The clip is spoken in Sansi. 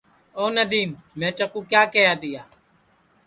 آو ندیم میں چکُو کیا کیہیا تیا